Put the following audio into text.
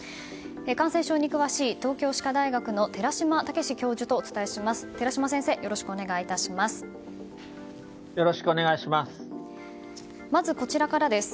感染症に詳しい東京歯科大学の寺嶋毅教授とお伝えします。